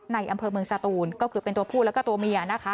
ในอำเภอเมืองสตูนก็คือเป็นตัวผู้แล้วก็ตัวเมียนะคะ